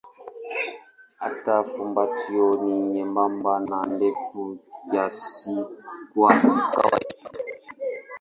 Hata fumbatio ni nyembamba na ndefu kiasi kwa kawaida.